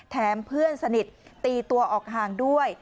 เพื่อนสนิทตีตัวออกห่างด้วย